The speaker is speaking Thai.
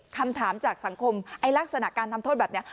คำถามจากสังคมไอ้ลักษณะการทำโทษแบบนี้